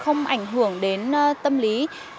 không ảnh hưởng đến tâm lý